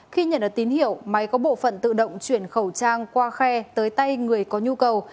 khi nhận được tín hiệu máy có bộ phận tự động chuyển khẩu trang qua khe tới tay người có nhu cầu